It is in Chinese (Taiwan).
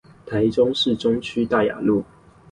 台中市區大雅路